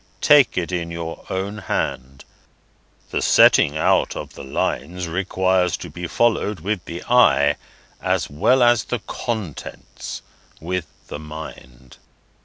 Take it in your own hand. The setting out of the lines requires to be followed with the eye, as well as the contents with the mind."